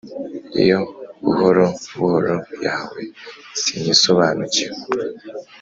iyo, buhoro buhoro yawe sinyisobanukirwa